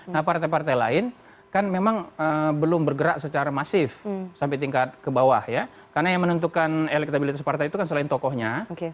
nah partai partai lain kan memang belum bergerak secara masif sampai tingkat ke bawah ya karena yang menentukan elektabilitas partai itu kan selain tokohnya